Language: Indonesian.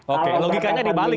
oke logikanya dibalik